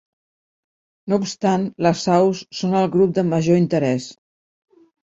No obstant les aus són el grup de major interès.